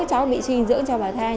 cháu bị sinh dưỡng cho bà thai